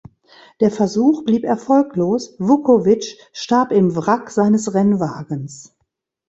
Der Versuch blieb erfolglos, Vukovich starb im Wrack seines Rennwagens.